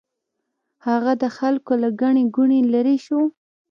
هغه د خلکو له ګڼې ګوڼې لرې شو.